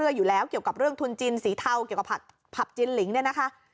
อยู่แล้วเกี่ยวกับเรื่องทุนจีนสีเทาเกี่ยวกับผักจินลิงเนี่ยนะคะ